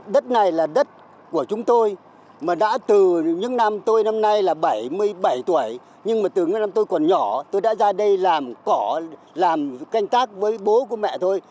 đất này là đất của chúng tôi mà đã từ những năm tôi năm nay là bảy mươi bảy tuổi nhưng mà từ năm tôi còn nhỏ tôi đã ra đây làm cỏ làm canh tác với bố của mẹ thôi